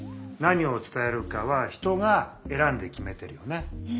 何を伝えるかは人が選んで決めてるよね。